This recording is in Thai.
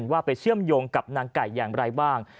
ว่าไปเชื่อมโยงกับนางไก่อย่างไรบ้าง